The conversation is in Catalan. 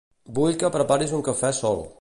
Vull que preparis un cafè sol.